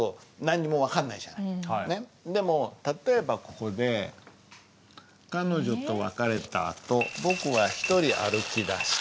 でも例えばここで「彼女と別れた後、ぼくはひとり歩きだした」。